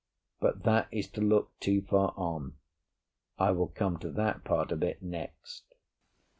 But that is to look too far on. I will come to that part of it next.